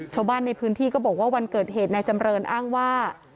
ชาวบ้านในพื้นที่ก็บอกว่าวันเกิดเหตุนายจำเรินอ้างว่า